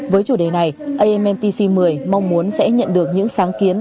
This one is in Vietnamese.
với chủ đề này ammtc một mươi mong muốn sẽ nhận được những sáng kiến